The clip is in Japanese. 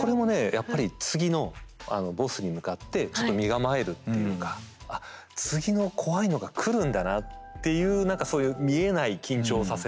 やっぱり次のボスに向かってちょっと身構えるっていうかあっ次の怖いのが来るんだなっていう何かそういう見えない緊張をさせるというか。